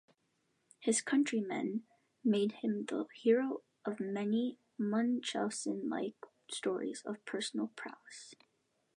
His countrymen made him the hero of many Munchausen-like stories of personal prowess.